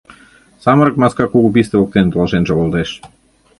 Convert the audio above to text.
Самырык маска кугу писте воктене толашен шогылтеш.